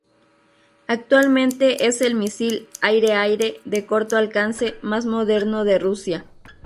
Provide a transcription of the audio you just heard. Actualmente es el misil aire-aire de corto alcance más moderno de Rusia.